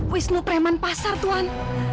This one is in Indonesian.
wisnu preman pasar tuan